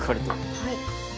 はい。